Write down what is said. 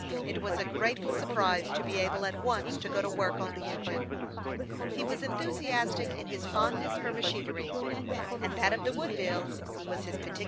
It was a grateful surprise to be able at once to go to work on the engine. He was enthusiastic in his fondness for machinery, and that of the Woodville was his particular pet.